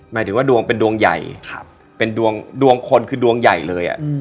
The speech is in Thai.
หมายถึงว่าดวงเป็นดวงใหญ่เป็นดวงคนคือดวงใหญ่เลย